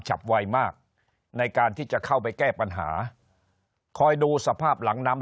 ฉับไวมากในการที่จะเข้าไปแก้ปัญหาคอยดูสภาพหลังน้ำ